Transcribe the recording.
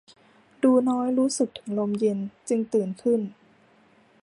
ดูน้อยรู้สึกถึงลมเย็นจึงตื่นขึ้น